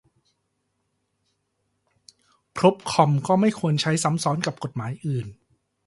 พรบคอมพ์ ก็ไม่ควรจะใช้ซ้ำซ้อนกับกฎหมายอื่น